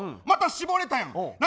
また絞れたよ。